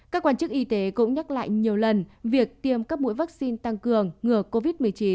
các quan chức y tế cũng nhắc lại nhiều lần việc tiêm các mũi vaccine tăng cường ngừa covid một mươi chín